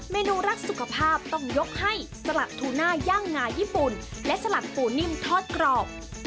เมนูรักสุขภาพต้องยกให้สลักทูน่าย่างงาญี่ปุ่นและสลักปูนิ่มทอดกรอบ